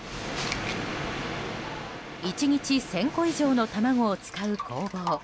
１日１０００個以上の卵を使う工房。